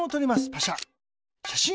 パシャ。